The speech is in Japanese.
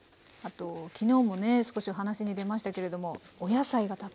あと昨日もね少しお話に出ましたけれどもお野菜が